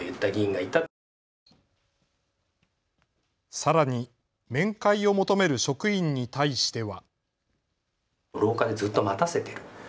さらに面会を求める職員に対しては。